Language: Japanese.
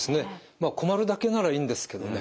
まあ困るだけならいいんですけどね